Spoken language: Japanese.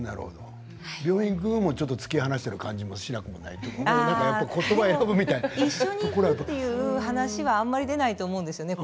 病院行く？も突き放している感じもしなくも一緒に行くという話はあまり出ないと思うんですね